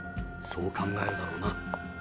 そう考えるだろうな。